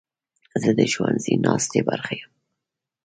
زه د ښوونځي ناستې برخه یم.